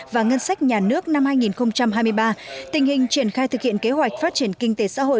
và ngân sách nhà nước năm hai nghìn hai mươi ba tình hình triển khai thực hiện kế hoạch phát triển kinh tế xã hội